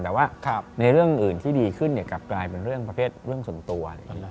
แต่ว่าในเรื่องอื่นที่ดีขึ้นกลับกลายเป็นเรื่องประเภทเรื่องส่วนตัว